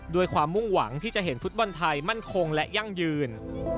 ด้วยความมุ่งหวังที่จะเห็นฟุตบอลไทยมั่นคงและยั่งยืน